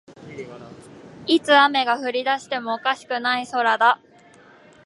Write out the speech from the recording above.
いつ雨が降りだしてもおかしくない空だ